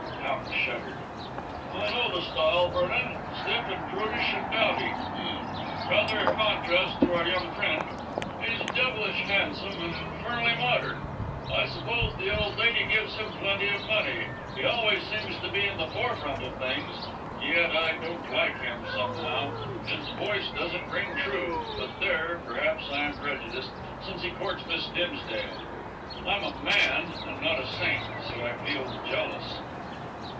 Towton shuddered. "I know the style, Vernon. Stiff and prudish and dowdy. H'm! rather a contrast to our young friend. He's devilish handsome and infernally modern. I suppose the old lady gives him plenty of money: he always seems to be in the forefront of things. Yet I don't like him somehow: his voice doesn't ring true; but there, perhaps I am prejudiced, since he courts Miss Dimsdale. I'm a man, and not a saint, so I feel jealous."